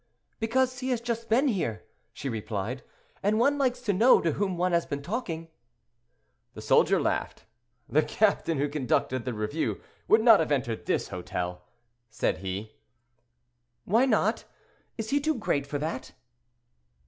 "Because he has just been here," she replied, "and one likes to know to whom one has been talking." The soldier laughed. "The captain who conducted the review would not have entered this hotel," said he. "Why not; is he too great for that?"